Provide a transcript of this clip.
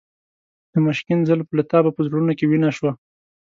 د مشکین زلفو له تابه په زړونو کې وینه شوه.